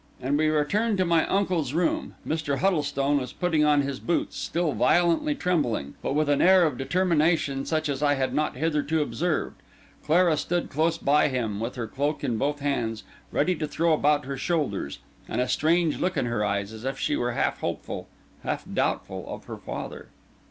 And we returned to My Uncle's Room. Mr. Huddlestone was putting on his boots, still violently trembling, but with an air of determination such as I had not hitherto observed. Clara stood close by him, with her cloak in both hands ready to throw about her shoulders, and a strange look in her eyes, as if she were half hopeful, half doubtful of her father.